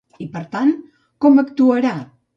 I, per tant, com actuarà?